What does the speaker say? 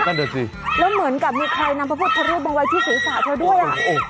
แล้วเหมือนกับมีใครนำพระพุทธเขาเรียนบางวัยที่ฝีฝ่าเธอด้วย